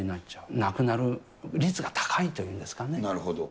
亡くなる率が高いというんですかなるほど。